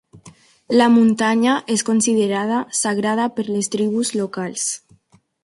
La muntanya és considerada sagrada per les tribus locals.